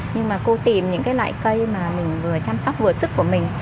nhưng mà cô tìm những cái loại cây mà mình vừa chăm sóc vừa sức của mình